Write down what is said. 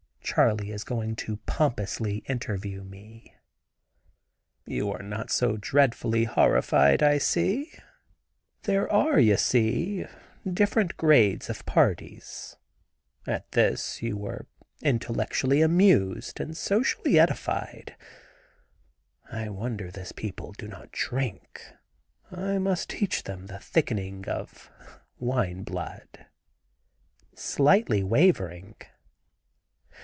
Charley is going to pompously interview me. "You are not so dreadfully horrified, I see. There are, you see, different grades of parties. At this you were intellectually amused and society edified. I wonder this people do not drink. I must teach them the thickening of wine blood," slightly wavering.